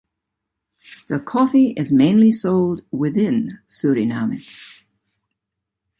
The coffee is mainly sold within Suriname.